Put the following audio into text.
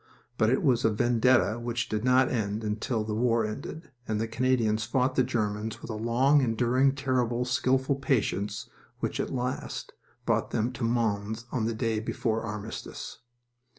But it was a vendetta which did not end until the war ended, and the Canadians fought the Germans with a long, enduring, terrible, skilful patience which at last brought them to Mons on the day before armistice.